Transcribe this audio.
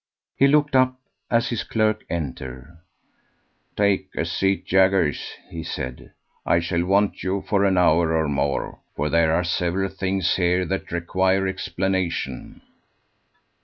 He looked up as his clerk entered. "Take a seat, Jaggers," he said, "I shall want you for an hour or more, for there are several things here that require explanation."